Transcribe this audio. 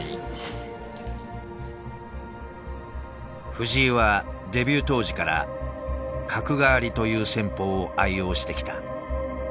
藤井はデビュー当時から角換わりという戦法を愛用してきた。